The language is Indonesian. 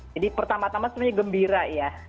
jadi pertama tama sebenarnya gembira ya